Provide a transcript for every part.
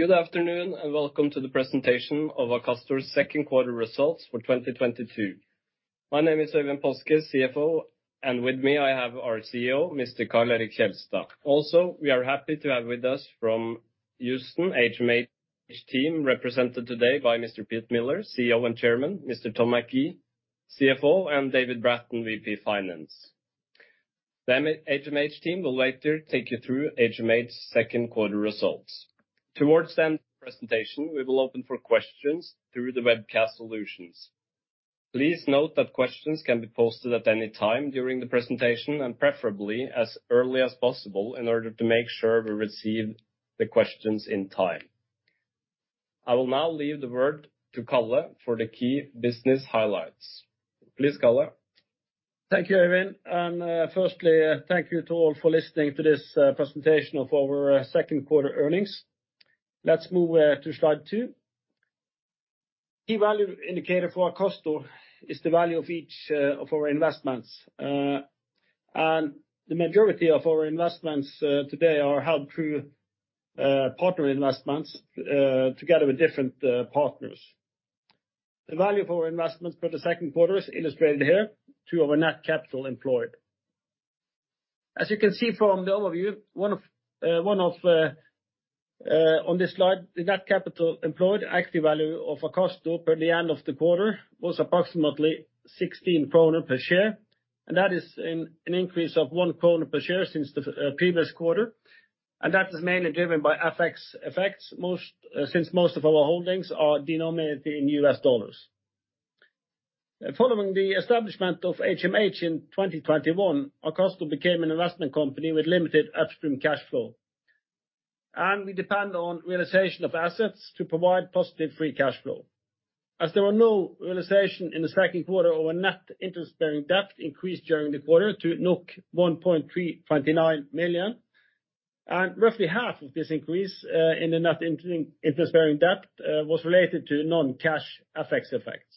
Good afternoon, and welcome to the presentation of Akastor's second quarter results for 2022. My name is Øyvind Paaske, CFO, and with me, I have our CEO, Mr. Karl Erik Kjelstad. Also, we are happy to have with us from Houston, HMH team, represented today by Mr. Pete Miller, CEO and Chairman, Mr. Tom McGee, CFO, and David Bratton, VP Finance. HMH team will later take you through HMH's second quarter results. Towards the end of the presentation, we will open for questions through the webcast solutions. Please note that questions can be posted at any time during the presentation and preferably as early as possible in order to make sure we receive the questions in time. I will now leave the word to Karl for the key business highlights. Please, Karl. Thank you, Øyvind. Firstly, thank you to all for listening to this presentation of our second quarter earnings. Let's move to slide two. Key value indicator for Akastor is the value of each of our investments. The majority of our investments today are held through partner investments together with different partners. The value for investments for the second quarter is illustrated here to our net capital employed. As you can see from the overview, on this slide, the net capital employed active value of Akastor by the end of the quarter was approximately 16 kroner per share. That is an increase of 1 kroner per share since the previous quarter. That is mainly driven by FX effects most, since most of our holdings are denominated in U.S. dollars. Following the establishment of HMH in 2021, Akastor became an investment company with limited upstream cash flow. We depend on realization of assets to provide positive free cash flow. As there were no realization in the second quarter, our net interest-bearing debt increased during the quarter to 1.329 million. Roughly half of this increase in the net interest-bearing debt was related to non-cash effects.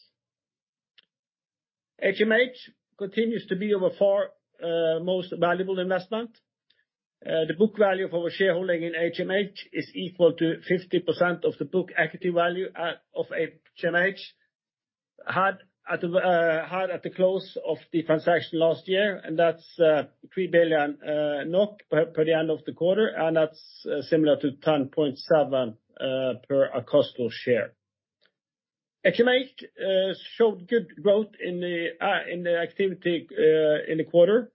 HMH continues to be by far our most valuable investment. The book value for our shareholding in HMH is equal to 50% of the book equity value of HMH at the close of the transaction last year, and that's 3 billion NOK as per the end of the quarter, and that's similar to 10.7 per Akastor share. HMH showed good growth in the activity in the quarter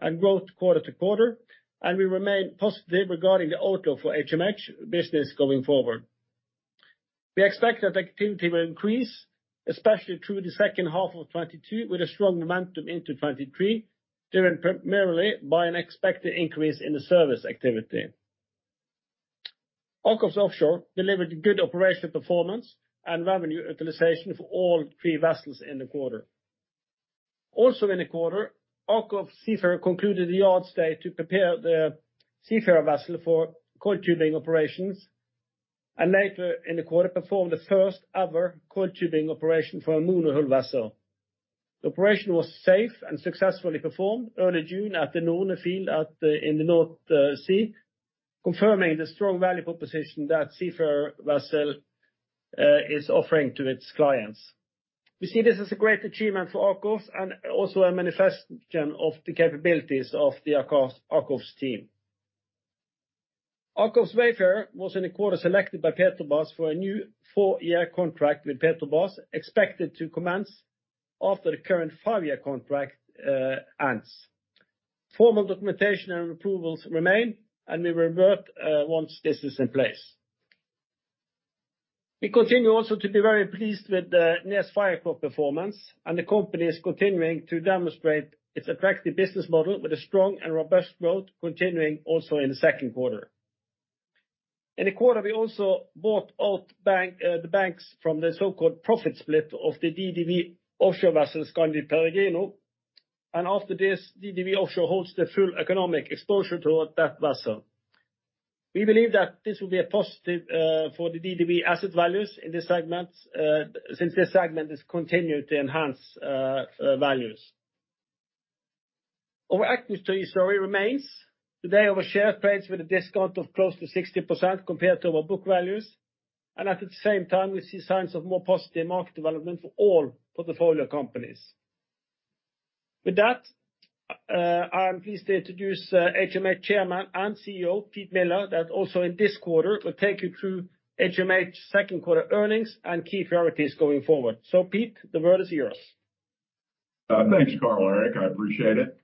and growth quarter-over-quarter, and we remain positive regarding the outlook for HMH business going forward. We expect that activity will increase, especially through the second half of 2022, with a strong momentum into 2023, driven primarily by an expected increase in the service activity. AKOFS Offshore delivered good operational performance and revenue utilization for all three vessels in the quarter. Also in the quarter, AKOFS Seafarer concluded the yard stay to prepare the Seafarer vessel for coiled tubing operations, and later in the quarter, performed the first ever coiled tubing operation for a monohull vessel. The operation was safe and successfully performed early June at the Norne field in the North Sea, confirming the strong value proposition that Seafarer vessel is offering to its clients. We see this as a great achievement for AKOFS and also a manifestation of the capabilities of the AKOFS team. AKOFS Wayfarer was in the quarter selected by Petrobras for a new four-year contract with Petrobras, expected to commence after the current five-year contract ends. Formal documentation and approvals remain, and we will revert once this is in place. We continue also to be very pleased with the NES Fircroft performance and the company is continuing to demonstrate its attractive business model with a strong and robust growth continuing also in the second quarter. In the quarter, we also bought out the banks from the so-called profit split of the DDW Offshore vessel, Skandi Peregrino. After this, DDW also holds the full economic exposure toward that vessel. We believe that this will be a positive for the DDW asset values in this segment, since this segment has continued to enhance values. Our equity story remains. Today our shares trades with a discount of close to 60% compared to our book values. At the same time, we see signs of more positive market development for all portfolio companies. With that, I am pleased to introduce HMH Chairman and CEO, Pete Miller, that also in this quarter will take you through HMH second quarter earnings and key priorities going forward. Pete, the word is yours. Thanks, Karl Erik. I appreciate it.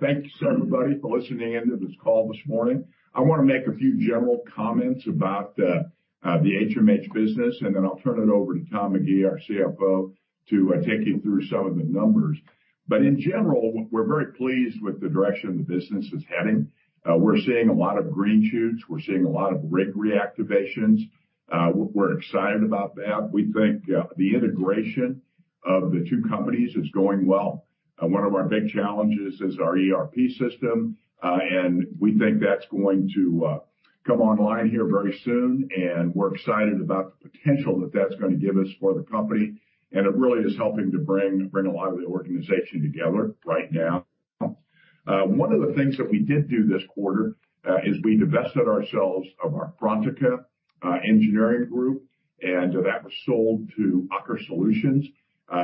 Thanks everybody for listening in to this call this morning. I wanna make a few general comments about the HMH business, and then I'll turn it over to Tom McGee, our CFO, to take you through some of the numbers. In general, we're very pleased with the direction the business is heading. We're seeing a lot of green shoots. We're seeing a lot of rig reactivations. We're excited about that. We think the integration of the two companies is going well. One of our big challenges is our ERP system, and we think that's going to come online here very soon. We're excited about the potential that that's gonna give us for the company. It really is helping to bring a lot of the organization together right now. One of the things that we did do this quarter is we divested ourselves of our Frontica Engineering group, and that was sold to Aker Solutions.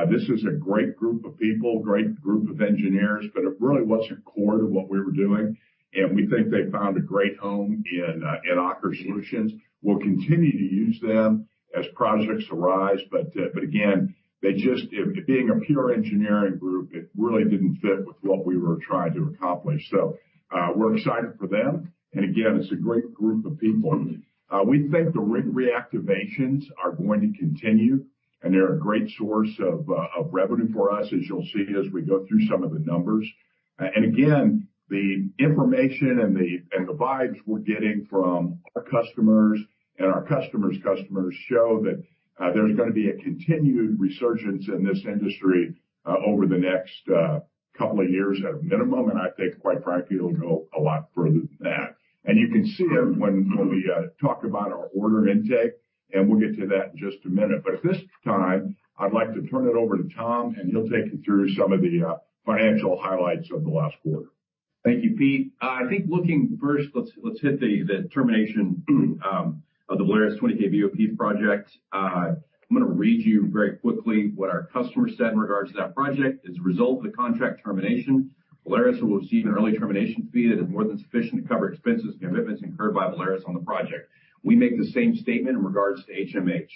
This is a great group of people, great group of engineers, but it really wasn't core to what we were doing, and we think they found a great home in Aker Solutions. We'll continue to use them as projects arise, but again, it being a pure engineering group, it really didn't fit with what we were trying to accomplish. We're excited for them, and again, it's a great group of people. We think the rig reactivations are going to continue, and they're a great source of revenue for us, as you'll see as we go through some of the numbers. Again, the information and the vibes we're getting from our customers and our customers' customers show that, there's gonna be a continued resurgence in this industry, over the next couple of years at a minimum, and I think quite frankly, it'll go a lot further than that. You can see it when we talk about our order intake, and we'll get to that in just a minute. At this time, I'd like to turn it over to Tom, and he'll take you through some of the financial highlights of the last quarter. Thank you, Pete. I think looking first, let's hit the termination of the Valaris 20,000 psi BOP project. I'm gonna read you very quickly what our customer said in regards to that project. As a result of the contract termination, Valaris will receive an early termination fee that is more than sufficient to cover expenses and commitments incurred by Valaris on the project. We make the same statement in regards to HMH.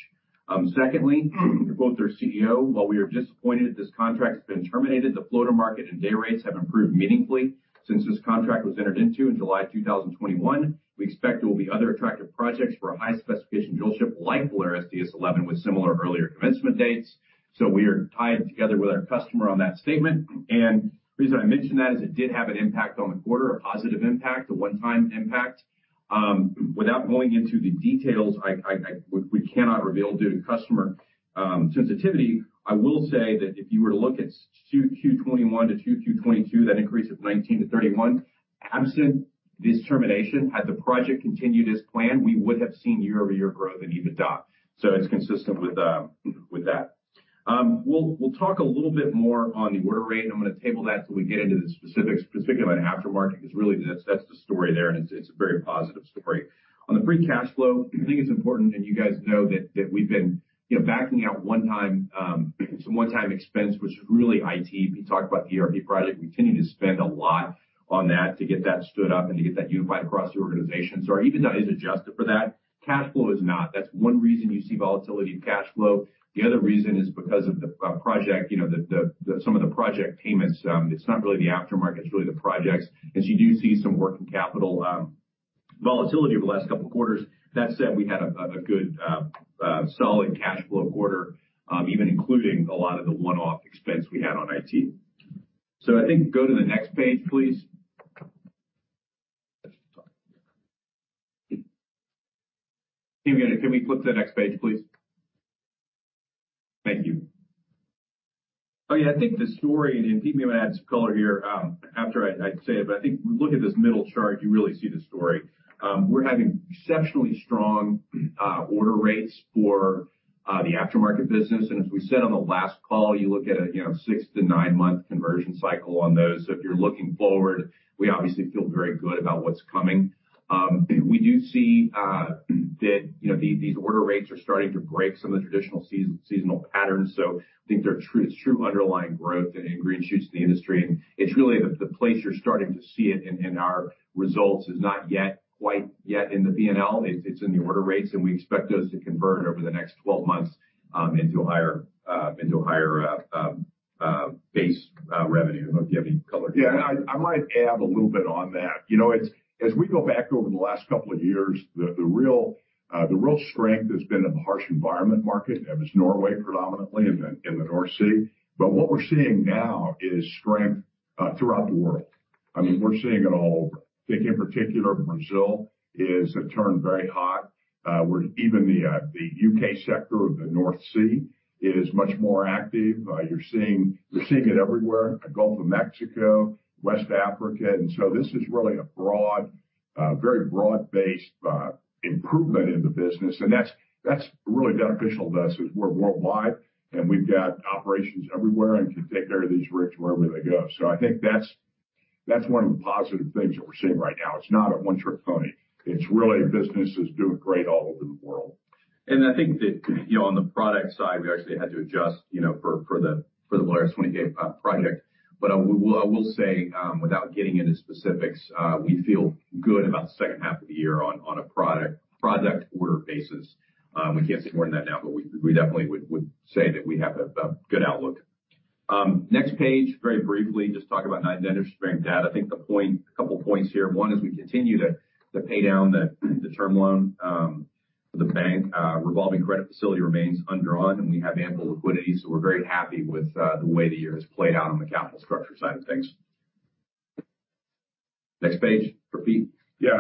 Secondly, to quote their CEO, "While we are disappointed that this contract has been terminated, the floater market and day rates have improved meaningfully since this contract was entered into in July of 2021. We expect there will be other attractive projects for a high-specification drillship like Valaris DS-11 with similar earlier commencement dates." We are tied together with our customer on that statement. The reason I mention that is it did have an impact on the quarter, a positive impact, a one-time impact. Without going into the details, we cannot reveal due to customer sensitivity. I will say that if you were to look at Q2 2021- Q2 2022, that increase of 19-31, absent this termination, had the project continued as planned, we would have seen year-over-year growth in EBITDA. It's consistent with that. We'll talk a little bit more on the order rate, and I'm gonna table that till we get into the specifics, particularly about aftermarket, 'cause really that's the story there, and it's a very positive story. On the free cash flow, I think it's important, and you guys know that we've been, you know, backing out one-time expense was really IT. We talked about the ERP project. We continue to spend a lot on that to get that stood up and to get that unified across the organization. Even though it is adjusted for that, cash flow is not. That's one reason you see volatility in cash flow. The other reason is because of the project, you know, the some of the project payments. It's not really the aftermarket, it's really the projects. You do see some working capital volatility over the last couple of quarters. That said, we had a good solid cash flow quarter, even including a lot of the one-off expense we had on IT. I think go to the next page, please. Can we flip to the next page, please? Thank you. Oh yeah, I think the story, and Pete may wanna add some color here, after I say it, but I think look at this middle chart, you really see the story. We're having exceptionally strong order rates for the aftermarket business. As we said on the last call, you look at a, you know, six to nine-month conversion cycle on those. If you're looking forward, we obviously feel very good about what's coming. We do see that, you know, these order rates are starting to break some of the traditional seasonal patterns. I think it's true underlying growth and green shoots in the industry. It's really the place you're starting to see it in our results, not yet in the P&L. It's in the order rates, and we expect those to convert over the next 12 months into a higher base revenue. I don't know if you have any color. Yeah. I might add a little bit on that. You know, it's as we go back over the last couple of years, the real strength has been in the harsh environment market, and it's Norway predominantly in the North Sea. But what we're seeing now is strength throughout the world. I mean, we're seeing it all over. I think in particular, Brazil has turned very hot. Where even the U.K. sector of the North Sea is much more active. You're seeing it everywhere, the Gulf of Mexico, West Africa. This is really a broad, very broad-based improvement in the business, and that's really beneficial to us as we're worldwide, and we've got operations everywhere and can take care of these rigs wherever they go. I think that's one of the positive things that we're seeing right now. It's not a one-trick pony. It's really business is doing great all over the world. I think that, you know, on the product side, we actually had to adjust, you know, for the Valaris 20,000 psi project. I will say, without getting into specifics, we feel good about the second half of the year on a product order basis. We can't say more than that now, but we definitely would say that we have a good outlook. Next page, very briefly, just talk about net interest-bearing debt. I think the point. Couple points here. One is we continue to pay down the term loan to the bank. Revolving credit facility remains undrawn, and we have ample liquidity, so we're very happy with the way the year has played out on the capital structure side of things. Next page for Pete. Yeah.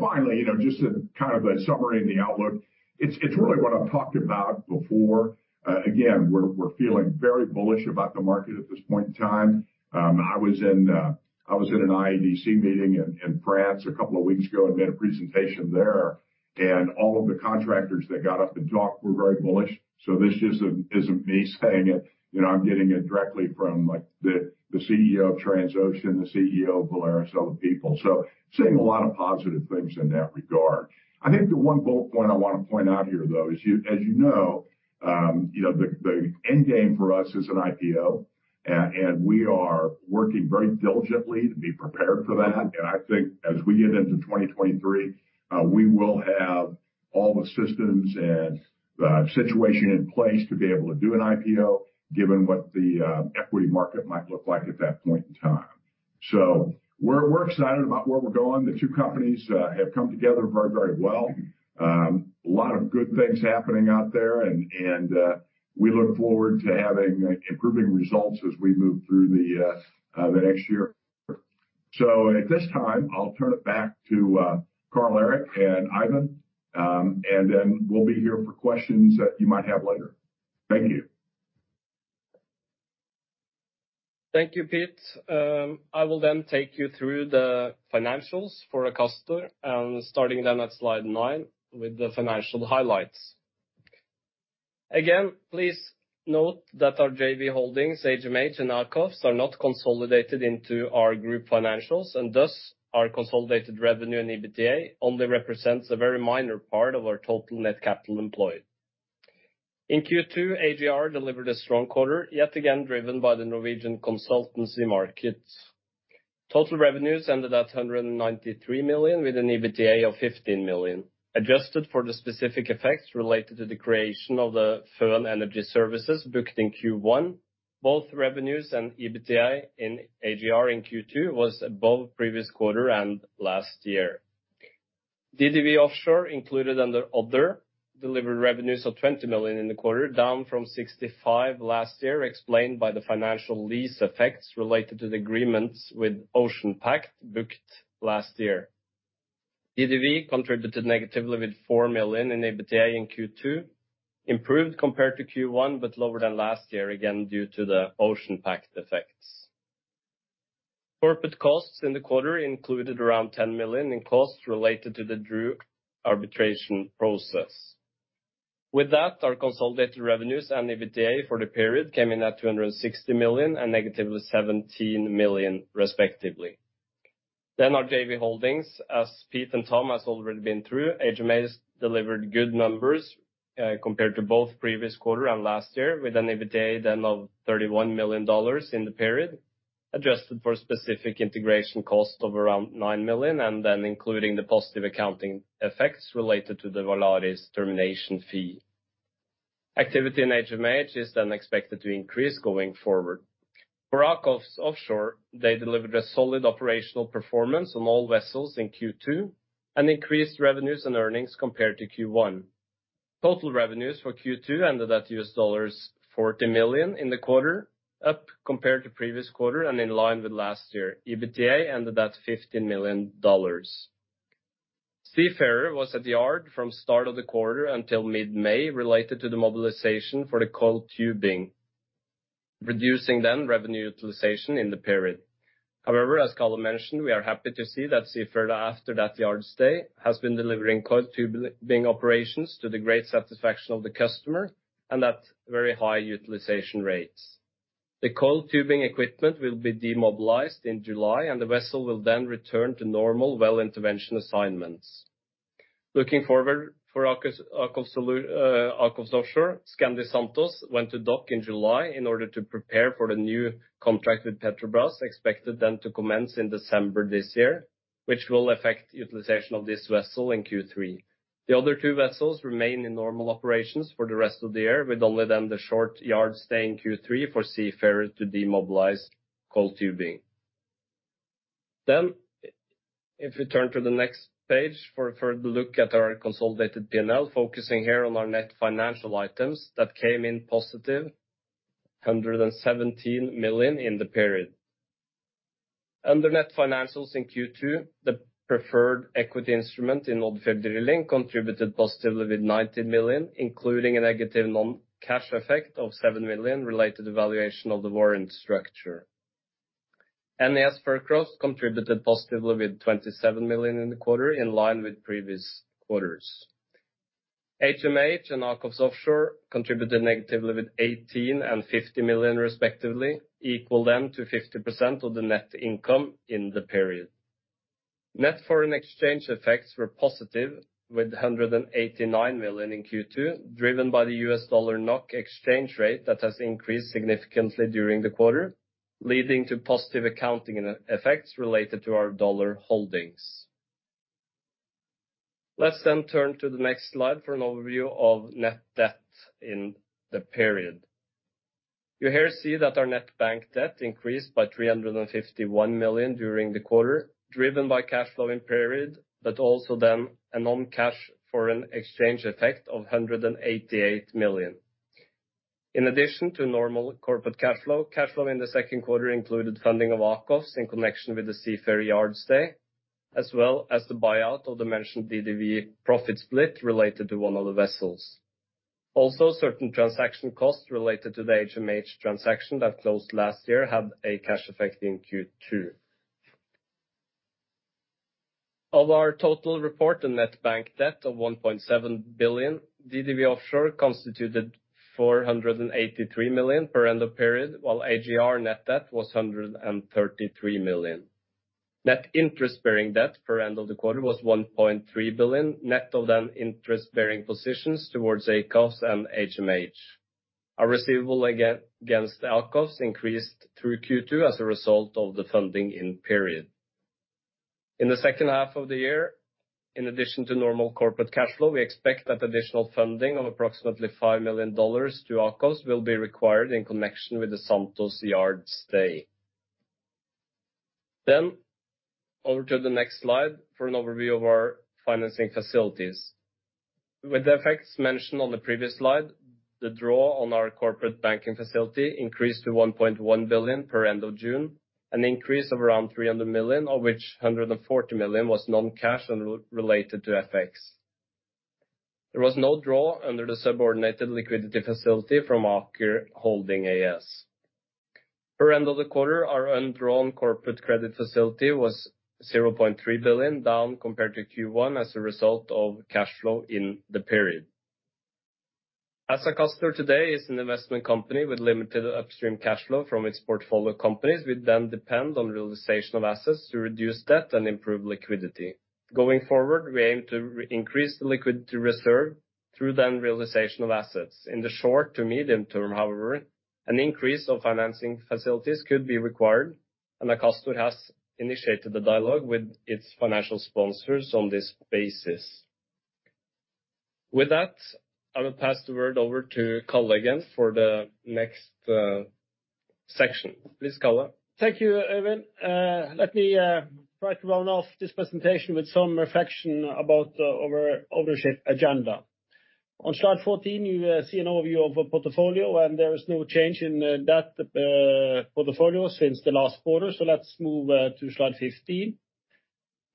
Finally, you know, just to kind of a summary in the outlook. It's really what I've talked about before. Again, we're feeling very bullish about the market at this point in time. I was in an IADC meeting in France a couple of weeks ago and made a presentation there, and all of the contractors that got up to talk were very bullish. This isn't me saying it, you know, I'm getting it directly from like the CEO of Transocean, the CEO of Polaris, other people. Seeing a lot of positive things in that regard. I think the one bullet point I wanna point out here, though, is as you know, you know, the end game for us is an IPO. We are working very diligently to be prepared for that. I think as we get into 2023, we will have all the systems and the situation in place to be able to do an IPO, given what the equity market might look like at that point in time. We're excited about where we're going. The two companies have come together very, very well. A lot of good things happening out there and we look forward to having improving results as we move through the next year. At this time, I'll turn it back to Karl-Erik and Øyvind, and then we'll be here for questions that you might have later. Thank you. Thank you, Pete. I will then take you through the financials for Akastor, and starting then at slide nine with the financial highlights. Again, please note that our JV holdings, HMH and AKOFS, are not consolidated into our group financials, and thus our consolidated revenue and EBITDA only represents a very minor part of our total net capital employed. In Q2, AGR delivered a strong quarter, yet again driven by the Norwegian consultancy market. Total revenues ended at 193 million, with an EBITDA of 15 million. Adjusted for the specific effects related to the creation of the Føn Energy Services booked in Q1, both revenues and EBITDA in AGR in Q2 was above previous quarter and last year. DDW Offshore, included under other, delivered revenues of 20 million in the quarter, down from 65 million last year, explained by the financial lease effects related to the agreements with OceanPact booked last year. DDW Offshore contributed negatively with 4 million in EBITDA in Q2, improved compared to Q1, but lower than last year, again due to the OceanPact effects. Corporate costs in the quarter included around 10 million in costs related to the DRU arbitration process. With that, our consolidated revenues and EBITDA for the period came in at 260 million and negative 17 million, respectively. Our JV holdings, as Pete and Tom has already been through, HMH delivered good numbers, compared to both previous quarter and last year, with an EBITDA then of $31 million in the period, adjusted for specific integration cost of around $9 million, and then including the positive accounting effects related to the Valaris termination fee. Activity in HMH is then expected to increase going forward. For AKOFS Offshore, they delivered a solid operational performance on all vessels in Q2 and increased revenues and earnings compared to Q1. Total revenues for Q2 ended at $40 million in the quarter, up compared to previous quarter and in line with last year. EBITDA ended at $15 million. Seafarer was at the yard from start of the quarter until mid-May related to the mobilization for the coiled tubing, reducing then revenue utilization in the period. However, as Karl mentioned, we are happy to see that AKOFS Seafarer, after that yard stay, has been delivering coiled tubing operations to the great satisfaction of the customer and at very high utilization rates. The coil tubing equipment will be demobilized in July, and the vessel will then return to normal well intervention assignments. Looking forward, for AKOFS Offshore, Skandi Santos went to dock in July in order to prepare for the new contract with Petrobras, expected then to commence in December this year, which will affect utilization of this vessel in Q3. The other two vessels remain in normal operations for the rest of the year, with only then the short yard stay in Q3 for AKOFS Seafarer to demobilize coil tubing. If we turn to the next page for a further look at our consolidated P&L, focusing here on our net financial items that came in positive 117 million in the period. Under net financials in Q2, the preferred equity instrument in Odfjell Drilling contributed positively with 90 million, including a negative non-cash effect of 7 million related to valuation of the warrant structure. NES Fircroft contributed positively with 27 million in the quarter, in line with previous quarters. HMH and AKOFS Offshore contributed negatively with 18 million and 50 million, respectively, equal then to 50% of the net income in the period. Net foreign exchange effects were positive with 189 million in Q2, driven by the U.S. dollar NOK exchange rate that has increased significantly during the quarter, leading to positive accounting effects related to our dollar holdings. Let's turn to the next slide for an overview of net debt in the period. You here see that our net bank debt increased by 351 million during the quarter, driven by cash flow in period, but also then a non-cash foreign exchange effect of 188 million. In addition to normal corporate cash flow, cash flow in the second quarter included funding of Aker in connection with the Seafarer yard stay, as well as the buyout of the mentioned DDW profit split related to one of the vessels. Also, certain transaction costs related to the HMH transaction that closed last year had a cash effect in Q2. Of our total reported net bank debt of 1.7 billion, DDW Offshore constituted 483 million per end of period, while AGR net debt was 133 million. Net interest-bearing debt per end of the quarter was 1.3 billion, net of the interest-bearing positions towards Aker and HMH. Our receivable against Aker increased through Q2 as a result of the funding in period. In the second half of the year, in addition to normal corporate cash flow, we expect that additional funding of approximately $5 million to Aker will be required in connection with the Santos yard stay. On to the next slide for an overview of our financing facilities. With the effects mentioned on the previous slide, the draw on our corporate banking facility increased to 1.1 billion per end of June, an increase of around 300 million, of which 140 million was non-cash and re-related to FX. There was no draw under the subordinated liquidity facility from Aker Holding AS. Per end of the quarter, our undrawn corporate credit facility was 0.3 billion, down compared to Q1 as a result of cash flow in the period. As Akastor today is an investment company with limited upstream cash flow from its portfolio companies, we then depend on realization of assets to reduce debt and improve liquidity. Going forward, we aim to re-increase the liquidity reserve through the realization of assets. In the short to medium term, however, an increase of financing facilities could be required, and Akastor has initiated the dialogue with its financial sponsors on this basis. With that, I will pass the word over to Karl again for the next section. Please, Karl. Thank you, Øyvind. Let me try to round off this presentation with some reflection about our ownership agenda. On slide 14, you see an overview of our portfolio, and there is no change in that portfolio since the last quarter. Let's move to slide 15,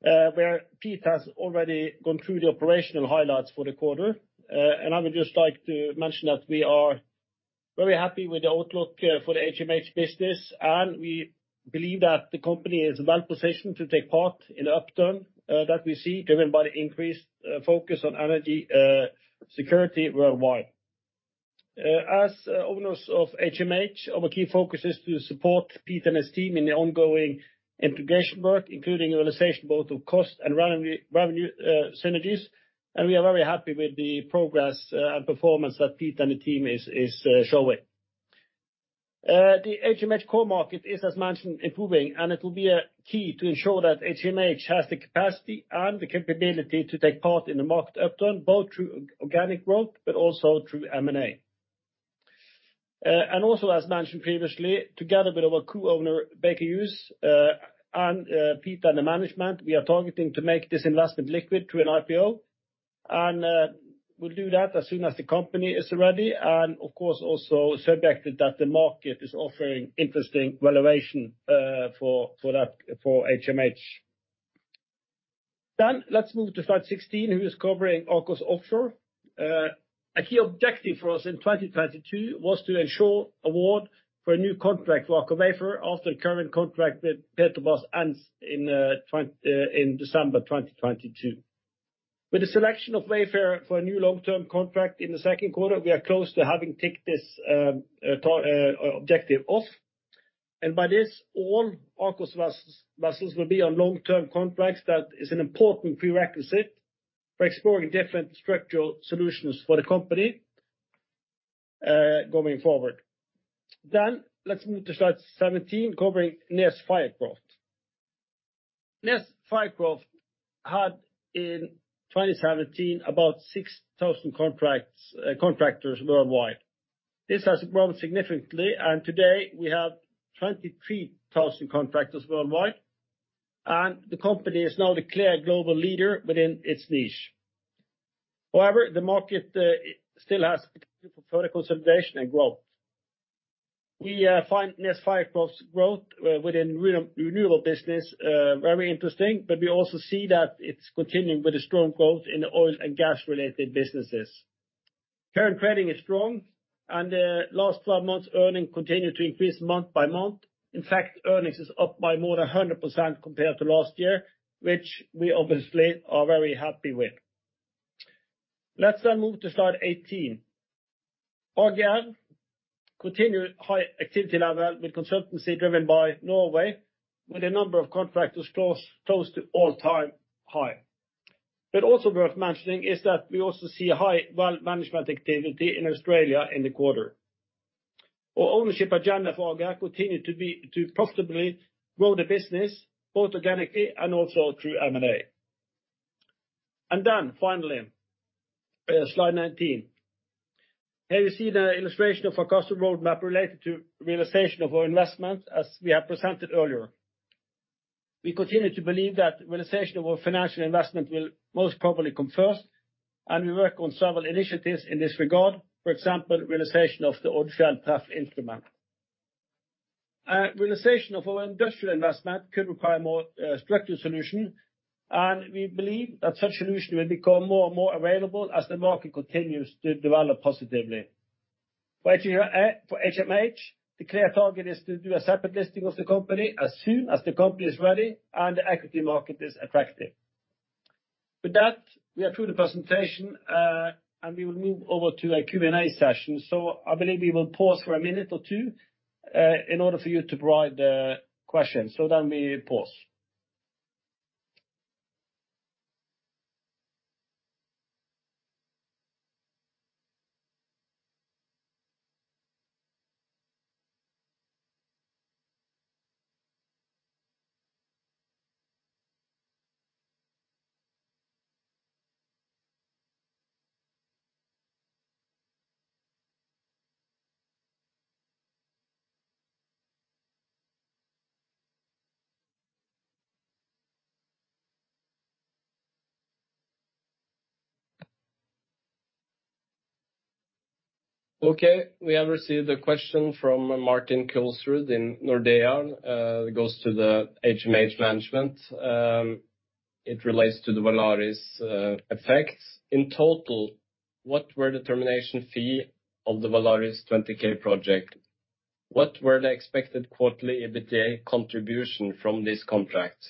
where Pete has already gone through the operational highlights for the quarter. I would just like to mention that we are very happy with the outlook for the HMH business, and we believe that the company is well-positioned to take part in the upturn that we see driven by the increased focus on energy security worldwide. As owners of HMH, our key focus is to support Pete and his team in the ongoing integration work, including realization both of cost and revenue synergies, and we are very happy with the progress and performance that Pete and the team is showing. The HMH core market is, as mentioned, improving, and it will be a key to ensure that HMH has the capacity and the capability to take part in the market upturn, both through organic growth but also through M&A. Also, as mentioned previously, together with our co-owner, Baker Hughes, and Pete and the management, we are targeting to make this investment liquid through an IPO. We'll do that as soon as the company is ready and of course, also subject that the market is offering interesting valuation for HMH. Let's move to slide 16, which is covering AKOFS Offshore. A key objective for us in 2022 was to ensure award for a new contract for AKOFS after the current contract with Petrobras ends in December 2022. With the selection of Wayfarer for a new long-term contract in the second quarter, we are close to having ticked this objective off. By this, all AKOFS vessels will be on long-term contracts. That is an important prerequisite for exploring different structural solutions for the company going forward. Let's move to slide 17, covering NES Fircroft. NES Fircroft had, in 2017, about 6,000 contractors worldwide. This has grown significantly, and today we have 23,000 contractors worldwide, and the company is now the clear global leader within its niche. However, the market still has potential for further consolidation and growth. We find NES Fircroft's growth within renewable business very interesting, but we also see that it's continuing with a strong growth in the oil- and gas-related businesses. Current trading is strong, and last 12 months earnings continued to increase month by month. In fact, earnings is up by more than 100% compared to last year, which we obviously are very happy with. Let's move to slide 18. Again, continued high activity level with consultancy driven by Norway, with a number of contractors close to all-time high. Also worth mentioning is that we also see high well management activity in Australia in the quarter. Our ownership agenda for Aker continue to be to profitably grow the business both organically and also through M&A. Finally, slide 19. Here you see the illustration of Akastor roadmap related to realization of our investments, as we have presented earlier. We continue to believe that realization of our financial investment will most probably come first, and we work on several initiatives in this regard. For example, realization of the Odfjell Drilling preferred equity. Realization of our industrial investment could require more structured solution, and we believe that such solution will become more and more available as the market continues to develop positively. For HMH, the clear target is to do a separate listing of the company as soon as the company is ready and the equity market is attractive. With that, we are through the presentation, and we will move over to a Q&A session. I believe we will pause for a minute or two in order for you to provide the questions. We pause. Okay. We have received a question from Martin Kulsrud in Nordea that goes to the HMH management. It relates to the Valaris effects. In total, what were the termination fee of the Valaris 20,000 psi project? What were the expected quarterly EBITDA contribution from this contract?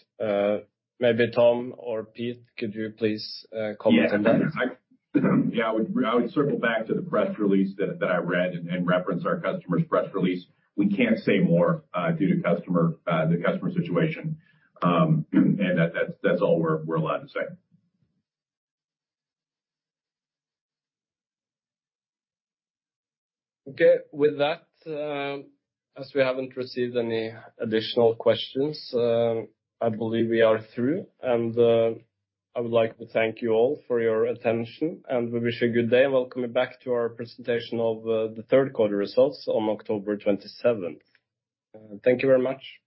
Maybe Tom or Pete, could you please comment on that? I would circle back to the press release that I read and reference our customer's press release. We can't say more due to the customer situation. That's all we're allowed to say. Okay. With that, as we haven't received any additional questions, I believe we are through. I would like to thank you all for your attention, and we wish you a good day and welcome you back to our presentation of the third quarter results on October twenty-seventh. Thank you very much.